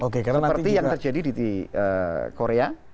seperti yang terjadi di korea